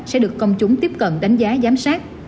sẽ được công chúng tiếp cận đánh giá giám sát